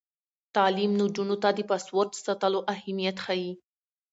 تعلیم نجونو ته د پاسورډ ساتلو اهمیت ښيي.